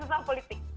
gue yang suka politik